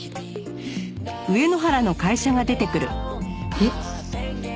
えっ？